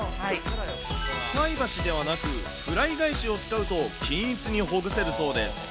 菜箸ではなく、フライ返しを使うと、均一にほぐせるそうです。